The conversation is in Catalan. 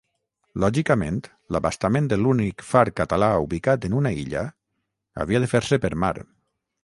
Lògicament, l'abastament de l'únic far català ubicat en una illa havia de fer-se per mar.